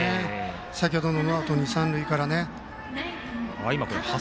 先程のノーアウト二、三塁から。